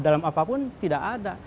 dalam apapun tidak ada